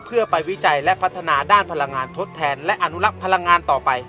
เพื่อไปวิจัยและพัฒนาด้านพลังงานทดแทนและอนุลักษ์พลังงานต่อไป